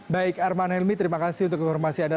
baik arman helmi terima kasih untuk informasi anda